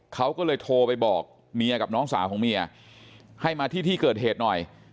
เขาก็เลยโทรไปบอกเมียกับน้องสาวของเมียให้มาที่ที่เกิดเหตุหน่อย